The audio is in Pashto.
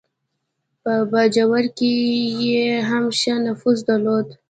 په باجوړ کې یې هم ښه نفوذ درلود.